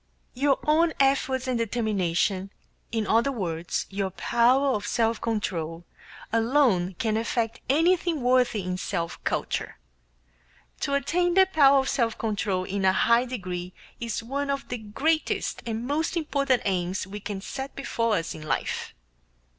Your own efforts and determination in other words, your power of self control alone can effect anything worthy in self culture. To attain the power of self control in a high degree is one of the greatest and most important aims we can set before us in life.